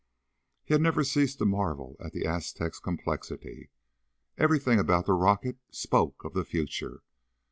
He had never ceased to marvel at the Aztec's complexity. Everything about the rocket spoke of the future.